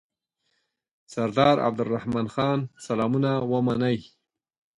سردار عبدالرحمن خان سلامونه ومنئ.